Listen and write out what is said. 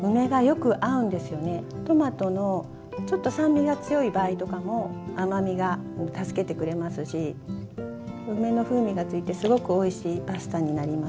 トマトのちょっと酸味が強い場合とかも甘みが助けてくれますし梅の風味がついてすごくおいしいパスタになります。